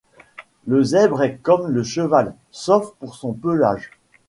Le zèbre est comme le cheval sauf pour son pelage